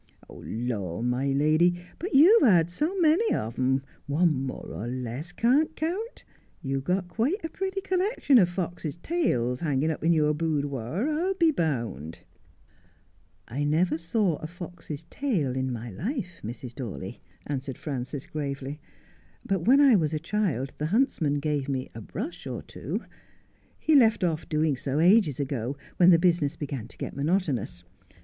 ' Lor, my lady, but you've had so many of 'em, one more or less can't count. You've got quite a pretty collection of foxes' tails hanging up in your boodwower, I'll be bound.' ' I never saw a fox's tail in my life, Mrs. Dawley,' answered Frances gravely ;' but when I was a child the huntsman gave me a brush or two. He left off doing so ages ago, when the business began to get monotonous.